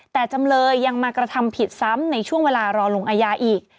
แต่จำเลยยังมากระทำผิดซ้ำในช่วงเวลารอลงอาญาอีก